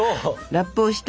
ラップをして。